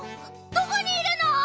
どこにいるの？